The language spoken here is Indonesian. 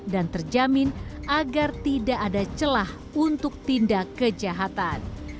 dan terjamin agar tidak ada celah untuk tindak kejahatan